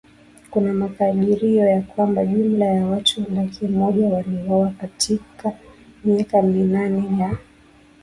Kuna makadirio ya kwamba jumla ya watu laki moja waliuawa katika miaka minane ya